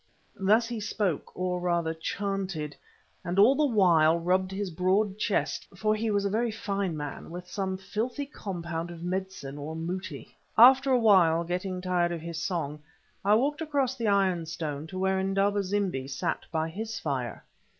Thus he spoke, or rather chanted, and all the while rubbed his broad chest—for he was a very fine man—with some filthy compound of medicine or mouti. After a while, getting tired of his song, I walked across the iron stone, to where Indaba zimbi sat by his fire.